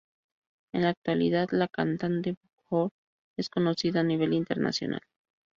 En la actualidad la cantante Björk es conocida a nivel internacional.